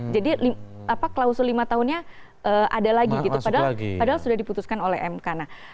jadi klausul lima tahunnya ada lagi gitu padahal sudah diputuskan oleh mk